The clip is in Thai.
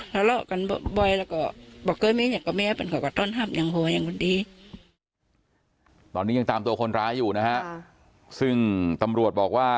ตัวผัวเมียเขาทะเลาะกันบ่อยมั้ย